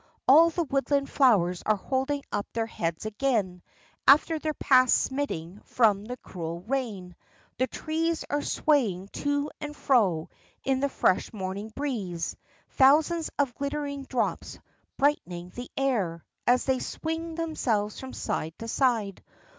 All the woodland flowers are holding up their heads again, after their past smiting from the cruel rain; the trees are swaying to and fro in the fresh morning breeze, thousands of glittering drops brightening the air, as they swing themselves from side to side.